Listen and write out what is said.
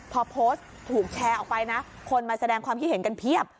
พอโพสต์ถูกแชร์ออกไปนะคนมาแสดงความคิดเห็นกันเพียบ